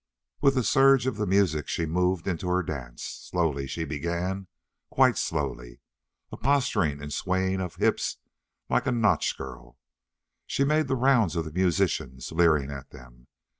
With the surge of the music she moved into her dance. Slowly she began, quite slowly. A posturing and swaying of hips like a nautch girl. She made the rounds of the musicians, leering at them.